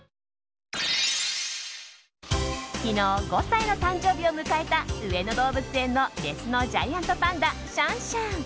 昨日、５歳の誕生日を迎えた上野動物園のメスのジャイアントパンダシャンシャン。